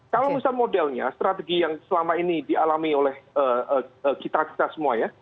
kalau misal modelnya strategi yang selama ini dialami oleh kita kita semua ya